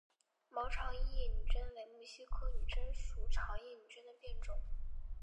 毛长叶女贞为木犀科女贞属长叶女贞的变种。